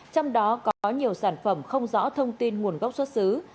trong đó có nhiều sản phẩm không rõ thông tin nguồn gốc xuất xứ